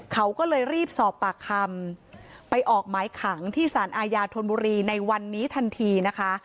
เขาก็เลยรีบสอบปากคำไปออกหมายขังที่สารอาญาธนบุรีในวันนี้ทันทีนะคะ